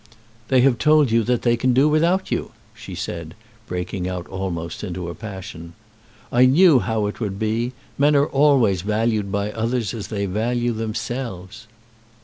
"They have told you that they can do without you," she said, breaking out almost into a passion. "I knew how it would be. Men are always valued by others as they value themselves."